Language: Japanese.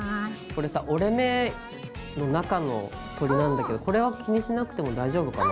これさ折れ目の中の鳥なんだけどこれは気にしなくても大丈夫かな？